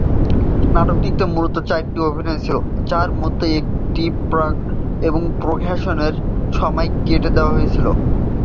নাটকটিতে মূলত চারটি অভিনয় ছিল, যার মধ্যে একটি প্রাক-প্রডাকশনের সময় কেটে দেওয়া হয়েছিল।